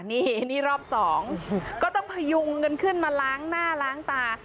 นี่นี่รอบสองก็ต้องพยุงกันขึ้นมาล้างหน้าล้างตา